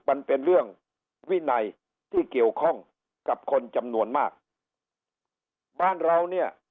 มันเป็นเรื่องวินัยที่เกี่ยวข้องกับคนจำนวนมากบ้านเราเนี่ย